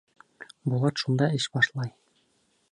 Булат шунда эш башлай.